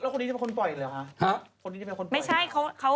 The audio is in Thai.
แล้วคนนี้เป็นคนปล่อยเหรอคะ